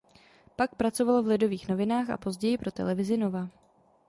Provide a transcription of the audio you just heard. Pak pracoval v "Lidových novinách" a později pro televizi Nova.